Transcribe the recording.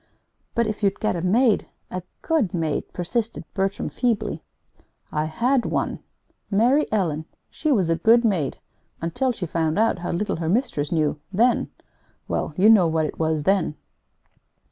"But if you'd get a maid a good maid," persisted Bertram, feebly. "I had one Mary Ellen. She was a good maid until she found out how little her mistress knew; then well, you know what it was then.